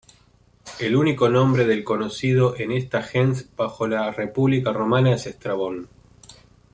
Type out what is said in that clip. El único nombre de conocido en esta "gens" bajo la República romana es Estrabón.